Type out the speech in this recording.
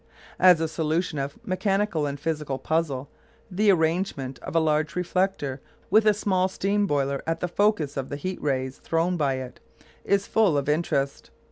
As a solution of a mechanical and physical puzzle, the arrangement of a large reflector, with a small steam boiler at the focus of the heat rays thrown by it, is full of interest.